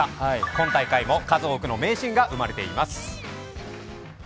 今大会も数多くの名シーンが生まれています。